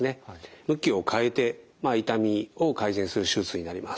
向きを変えて痛みを改善する手術になります。